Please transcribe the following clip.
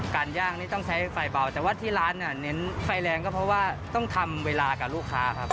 ย่างนี่ต้องใช้ไฟเบาแต่ว่าที่ร้านเน้นไฟแรงก็เพราะว่าต้องทำเวลากับลูกค้าครับ